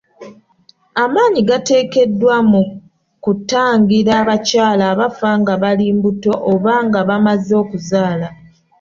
Amaanyi gateekeddwa mu kutangira abakyala abafa nga bali mbuto oba nga bamaze okuzaala.